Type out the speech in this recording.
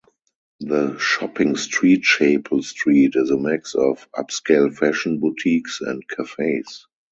The shopping street Chapel Street is a mix of upscale fashion boutiques and cafes.